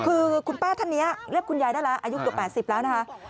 คือคุณป้าท่านนี้เรียกคุณยายได้แล้วอายุเกือบ๘๐แล้วนะคะ